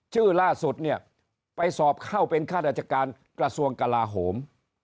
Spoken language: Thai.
ล่าสุดเนี่ยไปสอบเข้าเป็นข้าราชการกระทรวงกลาโหม